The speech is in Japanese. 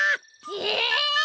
え！？